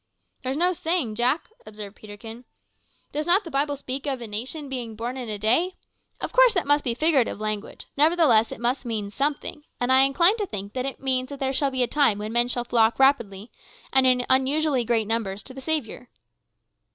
"There's no saying, Jack," observed Peterkin. "Does not the Bible speak of a `nation being born in a day?' Of course that must be figurative language; nevertheless it must mean something, and I incline to think that it means that there shall be a time when men shall flock rapidly, and in unusually great numbers, to the Saviour."